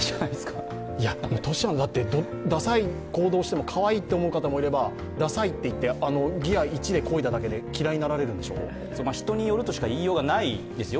だって、ダサい行動をしてもかわいいと思う方もいればダサいっていって、ギア１でこいだだけで人によるとしかいいようがないですよ。